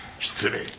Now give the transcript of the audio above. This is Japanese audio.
失礼。